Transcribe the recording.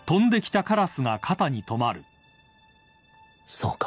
そうか。